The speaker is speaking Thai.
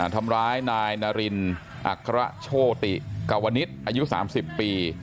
ทำร้ายนายนารินอัครโชติกาวนิตอายุ๓๐ปี